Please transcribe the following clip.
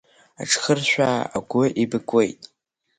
Аҽхыршәаа агәы еибакуеит.